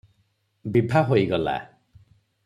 ବିଭା ହୋଇଗଲା।